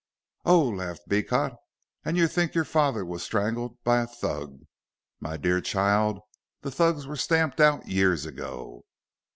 "Oh," laughed Beecot, "and you think your father was strangled by a Thug? My dear child, the Thugs were stamped out years ago.